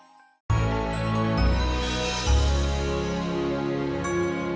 sampai jumpa di video selanjutnya